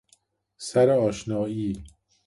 سر ﺁشنائی